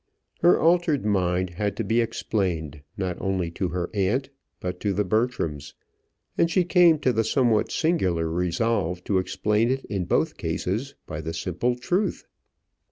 Her altered mind had to be explained, not only to her aunt, but to the Bertrams; and she came to the somewhat singular resolve to explain it in both cases by the simple truth.